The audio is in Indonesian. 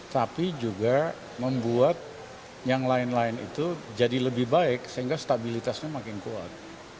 tapi juga membuat yang lain lain itu jadi lebih baik sehingga stabilitasnya makin kuat